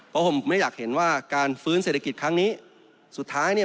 เพราะผมไม่อยากเห็นว่าการฟื้นเศรษฐกิจครั้งนี้สุดท้ายเนี่ย